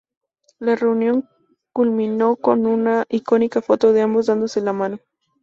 La reunión culminó con una icónica foto de ambos dándose la mano.